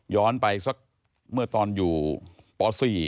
ไปสักเมื่อตอนอยู่ป๔